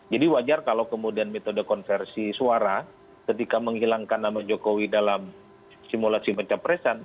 jadi wajar kalau kemudian metode konversi suara ketika menghilangkan nama jokowi dalam simulasi pencapresan